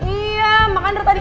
iya makanya dari tadi